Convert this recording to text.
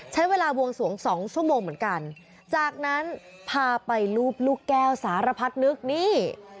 ใช้เวลาวงสวงสองชั่วโมงเหมือนกันจากนั้นพาไปรูปลูกแก้วสารพัดนึกนี่